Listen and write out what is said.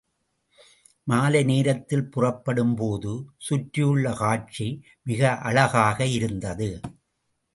மாலை நேரத்தில் புறப்படும் போது சுற்றியுள்ள காட்சி மிக அழகாக இருந்தது.